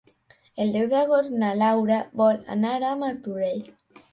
El deu d'agost na Laura vol anar a Martorell.